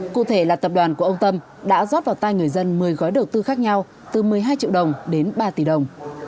cụ thể là tập đoàn của ông tâm đã rót vào tay người dân một mươi gói đầu tư khác nhau từ một mươi hai triệu đồng đến ba tỷ đồng